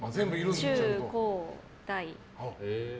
中高大。